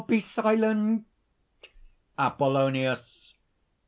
Be silent!" APOLLONIUS.